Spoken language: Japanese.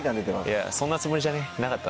いやそんなつもりじゃね。